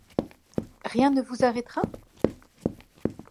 Rien ne vous arrêtera?